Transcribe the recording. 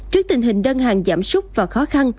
trước tình hình đơn hàng giảm súc và khó khăn